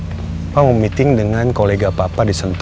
papa mau meeting dengan kolega papa di sentul